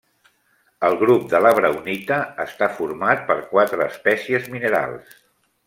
El grup de la braunita està format per quatre espècies minerals.